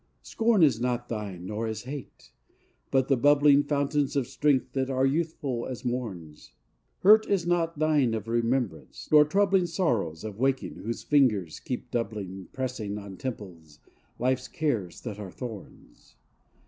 Scorn is not thine nor is hate; but the bubbling Fountains of strength that are youthful as morn's: Hurt is not thine of remembrance; nor troubling Sorrows of waking whose fingers keep doubling Pressing on temples life's cares that are thorns.